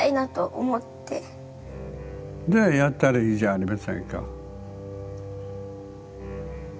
ではやったらいいじゃありませんか。